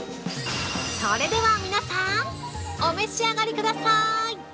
◆それでは皆さんお召し上がりください！